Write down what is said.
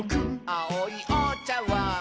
「あおいおちゃわん」